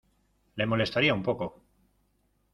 Le molestaría un poco.